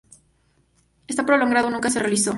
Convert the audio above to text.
Esta prolongación nunca se realizó.